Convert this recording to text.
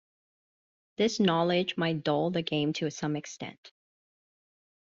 This knowledge might dull the game to some extent.